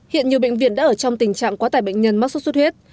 hiện nhiều bệnh viện đã ở trong tình trạng quá tải bệnh nhân mắc sốt xuất huyết